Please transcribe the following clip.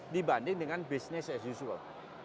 dibanding dengan business as usual